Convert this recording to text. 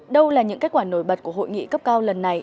đâu là những kết quả nổi bật của hội nghị cấp cao lần này